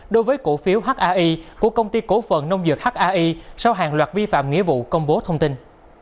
đối với cổ phiếu hai của công ty cổ phần nông dược hai sau hàng loạt vi phạm nghĩa vụ công bố thông tin